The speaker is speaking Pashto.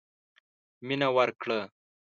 مينه ورکړه.